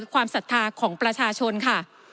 ความศรัทธาของประชาชนค่ะ